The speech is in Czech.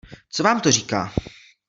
Co vám to říká?